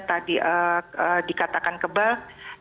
tadi dikatakan kebal